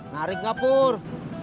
narik nggak pur